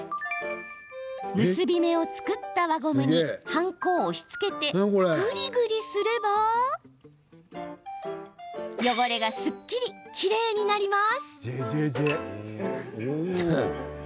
結び目を作った輪ゴムにハンコを押しつけてぐりぐりすれば汚れがすっきりきれいになります。